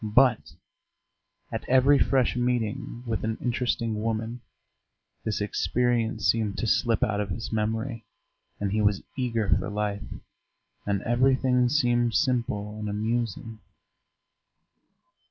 But at every fresh meeting with an interesting woman this experience seemed to slip out of his memory, and he was eager for life, and everything seemed simple and amusing.